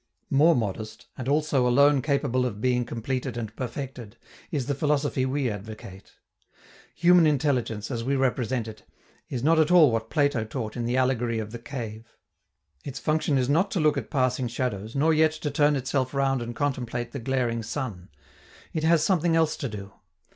More modest, and also alone capable of being completed and perfected, is the philosophy we advocate. Human intelligence, as we represent it, is not at all what Plato taught in the allegory of the cave. Its function is not to look at passing shadows nor yet to turn itself round and contemplate the glaring sun. It has something else to do.